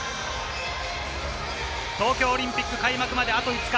東京オリンピック開幕まであと５日。